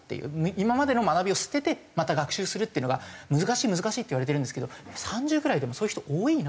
今までの学びを捨ててまた学習するっていうのが難しい難しいっていわれてるんですけど３０ぐらいでもそういう人多いなって思うので。